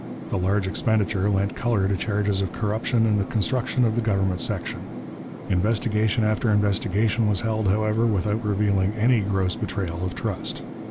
The large expenditure lent colour to charges of corruption in the construction of the government section. Investigation after investigation was held, however, without revealing any gross betrayal of trust.